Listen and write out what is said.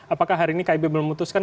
apakah hari ini kib memutuskan